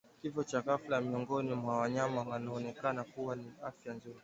Kifo cha ghafla miongoni mwa wanyama wanaoonekana kuwa na afya nzuri